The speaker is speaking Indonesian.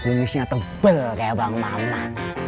bunusnya tebel kayak bang mamat